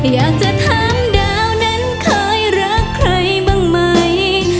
อยากจะถามดาวนั้นเคยรักใครบ้างไหม